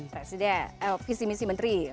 presiden eh visi misi menteri